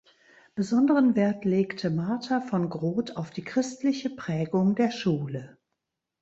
Besonderen Wert legte Martha von Grot auf die christliche Prägung der Schule.